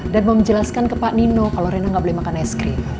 dan mau menjelaskan ke pak nino kalo rena gak boleh makan es krim